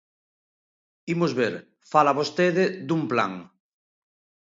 Imos ver, fala vostede dun plan.